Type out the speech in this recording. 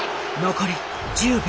残り１０秒。